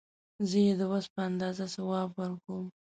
زه یې د وس په اندازه ځواب ورکوم.